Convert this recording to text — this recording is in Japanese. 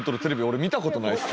俺見たことないです・